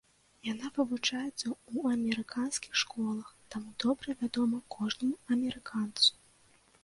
Яна вывучаецца ў амерыканскіх школах, таму добра вядома кожнаму амерыканцу.